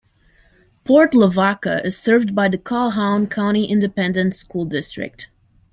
Port Lavaca is served by the Calhoun County Independent School District.